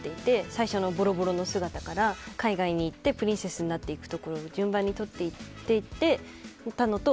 最初のボロボロの姿から海外に行ってプリンセスになっていくところを順番に撮っていっていただいたのと